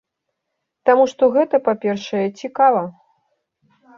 Таму што гэта, па-першае, цікава.